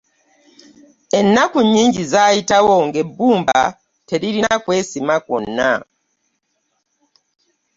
Ennaku nnyingi zaayitawo ng'ebbumba teririna kwesiima kwonna.